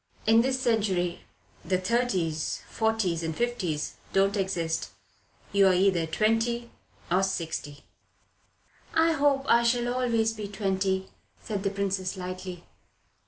"In this century the thirties, forties, and fifties don't exist. You're either twenty or sixty." "I hope I shall always be twenty," said the Princess lightly.